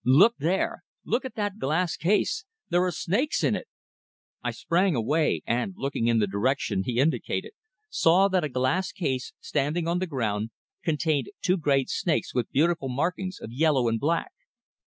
"Look there! Look at that glass case! There are snakes in it!" I sprang away, and looking in the direction he indicated saw that a glass case, standing on the ground, contained two great snakes with beautiful markings of yellow and black.